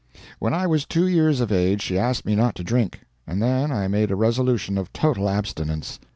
When I was two years of age she asked me not to drink, and then I made a resolution of total abstinence.